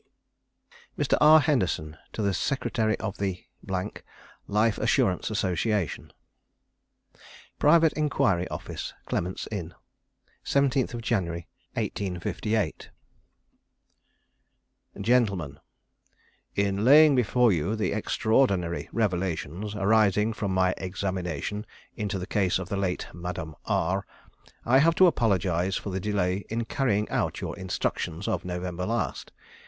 _] Mr. R. Henderson to the Secretary of the Life Assurance Association. "Private Enquiry Office, Clement's Inn, "GENTLEMEN, "17th Jan, 1858. "In laying before you the extraordinary revelations arising from my examination into the case of the late Madame R, I have to apologise for the delay in carrying out your instructions of November last.